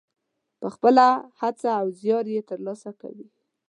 په خپله هڅه او زیار یې ترلاسه کوي.